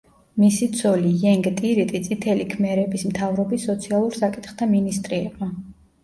მისი ცოლი იენგ ტირიტი წითელი ქმერების მთავრობის სოციალურ საკითხთა მინისტრი იყო.